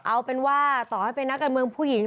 เอาเป็นว่าต่อให้เป็นนักการเมืองผู้หญิง